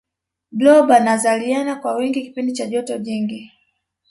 blob anazaliana kwa wingi kipindi cha joto jingi